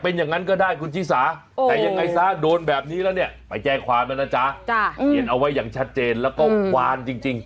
เปลี่ยนเอาไว้อย่างชัดเจนและก็ความจริง